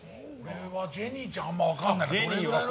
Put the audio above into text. ジェニーちゃんはあんまり分からないな。